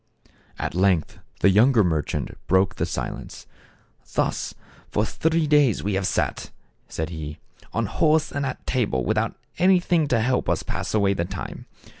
At length the younger merchant broke the silence. " Thus for three days have we sat," said he, "on horse and at table, without anything to help us pass away the time.